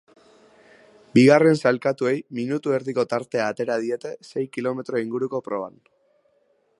Bigarren sailkatuei minutu erdiko tartea atera diete sei kilometro inguko proban.